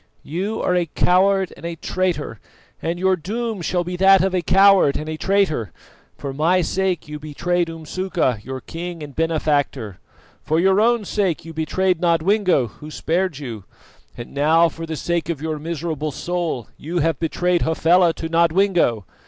You are a coward and a traitor, and your doom shall be that of a coward and a traitor. For my sake you betrayed Umsuka, your king and benefactor; for your own sake you betrayed Nodwengo, who spared you; and now, for the sake of your miserable soul, you have betrayed Hafela to Nodwengo.